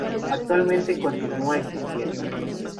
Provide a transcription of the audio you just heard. Actualmente continúa existiendo.